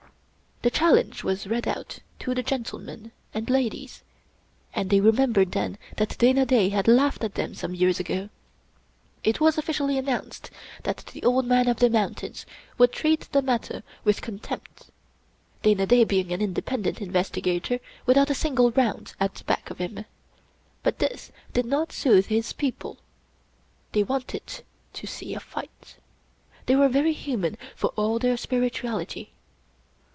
The challenge was read out to the gentlemen and ladies, and they remembered then that Dana Da had laughed at them some years ago. It was officially announced that the Old Man of the Mountains would treat the matter with con tempt; Dana Da being an independent investigator with out a single " round " at the back of him. But this did not soothe his people. They wanted to see a fight. They were very human for all their spirituality.